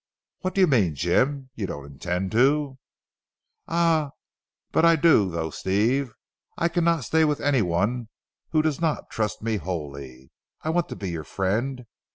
"What do you mean Jim? You don't intend to " "Ah, but I do though Steve. I cannot stay with anyone who does not trust me wholly. I want to be your friend.